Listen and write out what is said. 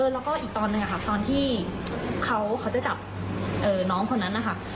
แล้วก็อีกตอนหนึ่งค่ะตอนที่เขาจะจับน้องคนนั้นนะคะ